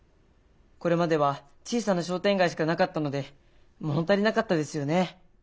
これまでは小さな商店街しかなかったので物足りなかったですよね。